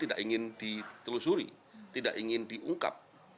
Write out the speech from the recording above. tidak ingin ditelusuri tidak ingin diungkap